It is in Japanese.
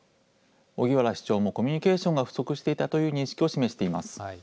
荻原市長もコミュニケーションが不足していたという認識を示しています。